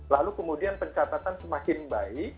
lalu kemudian pencatatan semakin baik